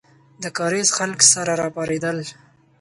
د کارېز خلک سره راپارېدل.